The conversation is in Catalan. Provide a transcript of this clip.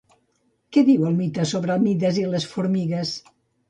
Què diu el mite sobre Mides i les formigues?